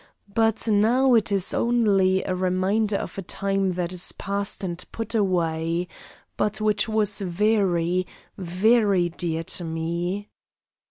But now it is only a reminder of a time that is past and put away, but which was very, very dear to me.